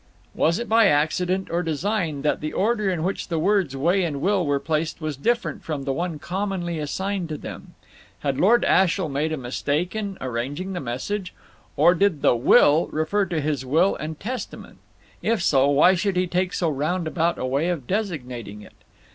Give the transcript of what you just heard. Was it by accident or design that the order in which the words way and will were placed was different from the one commonly assigned to them? Had Lord Ashiel made a mistake in arranging the message? Or did the "will" refer to his will and testament? If so, why should he take so roundabout a way of designating it?